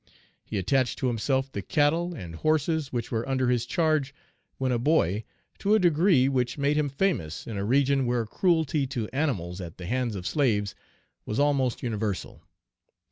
He attached to himself the cattle and horses which were under his charge when a boy, to a degree which made him famous in a region where cruelty to animals at the hands of slaves was almost universal.